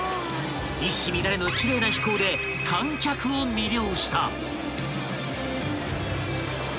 ［一糸乱れぬ奇麗な飛行で観客を魅了した］